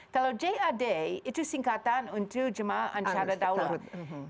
kalau jad itu singkatan untuk jemaah ancara daulat